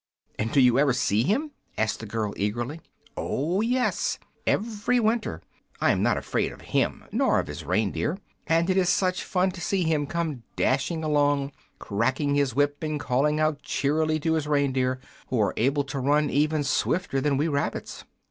"And do you ever see him?" asked the girl, eagerly. "Oh, yes; every winter. I am not afraid of him, nor of his reindeer. And it is such fun to see him come dashing along, cracking his whip and calling out cheerily to his reindeer, who are able to run even swifter than we rabbits.